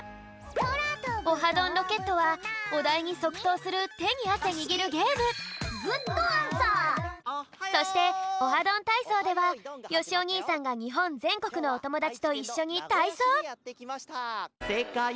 「オハどんロケット」はおだいにそくとうするてにあせにぎるゲームそして「オハどんたいそう」ではよしおにいさんがにほんぜんこくのおともだちといっしょにたいそう！